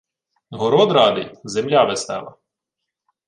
Город радий, земля весела